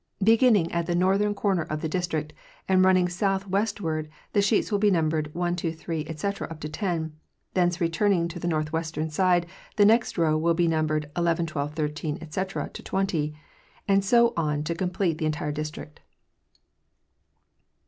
Beginning at the northern corner of the District and running southeastward, the sheets will be numbered 1, 2,3, etc, up to 10; thence returning to the north western side, the next row will be numbered 11, 12, 13, etc, to 20, and so on to complete the entire District.